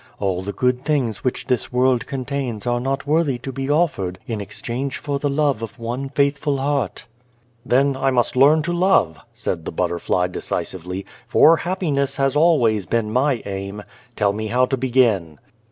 All the good things which this world contains are not worthy to be offered in exchange for the love of one faithful heart." "Then I must learn to love," said the butterfly decisively, " for happiness has 158 The Garden of God always been my aim. Tell me how to begin."